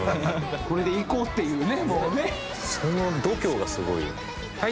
これでいこうっていうねもうね。